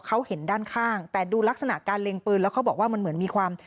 เขาเห็นด้านข้างแต่ดูลักษณะการเล็งปืนแล้วเขาบอกว่ามันเหมือนมีความ